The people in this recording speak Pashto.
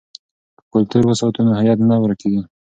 که کلتور وساتو نو هویت نه ورکيږي.